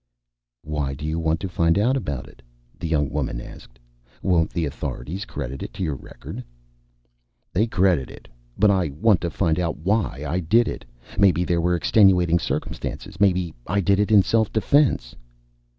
"Why do you want to find out about it?" the young woman asked. "Won't the authorities credit it to your record?" "They credit it. But I want to find out why I did it. Maybe there were extenuating circumstances. Maybe I did it in self defense."